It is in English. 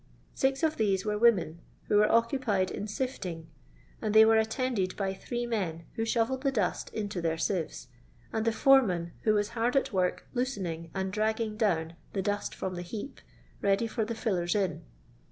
Six of these were women, who were occupied in sifting, and they were attended by three men who shovelled the dust into their sieves, and the foreman, who was bard at work loosening and dragging down the dust from the heap, ready for the "fillers in."